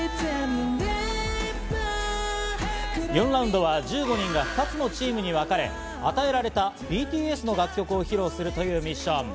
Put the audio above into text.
４ラウンドは１５人が２つのチームに分かれ、与えられたＢＴＳの楽曲を披露するというミッション。